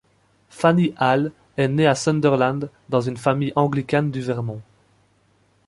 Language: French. Fanny Alle est née à Sunderland dans une famille anglicane du Vermont.